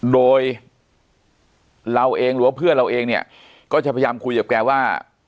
โดยเราเองหรือว่าเพื่อนเราเองเนี่ยก็จะพยายามคุยกับแกว่า